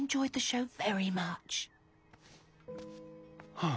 はあ。